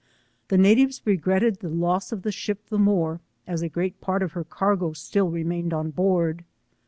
The natives regretted the loss of the ship the more, as a great part of her cargo still remained on board.